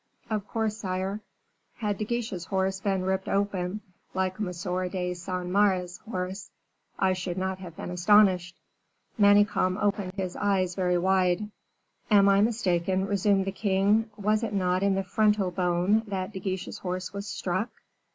"Of course, sire." "Had Guiche's horse been ripped open like M. de Saint Maure's horse, I should not have been astonished." Manicamp opened his eyes very wide. "Am I mistaken," resumed the king, "was it not in the frontal bone that De Guiche's horse was struck?